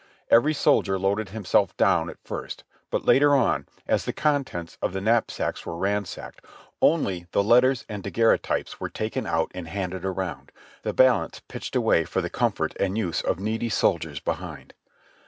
Every soldier loaded himself down at first, but later on, as the contents of the knapsacks were ran sacked, only the letters and daguerreotypes were taken out and handed around, the balance pitched away for the comfort and use of needy soldiers behind.